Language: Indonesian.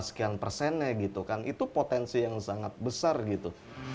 sekian persennya gitu kan itu potensi yang sangat besar gitu